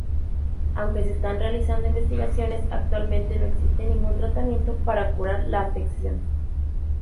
Aunque se están realizando investigaciones, actualmente no existe ningún tratamiento para curar la afección.